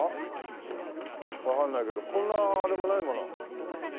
わかんないけどこんなあれもないもの。